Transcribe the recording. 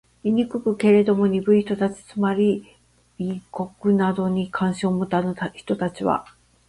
醜く？けれども、鈍い人たち（つまり、美醜などに関心を持たぬ人たち）は、